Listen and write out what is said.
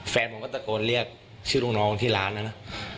แฟนผมก็ตะโกนเรียกชื่อลูกน้องที่ร้านนะนะ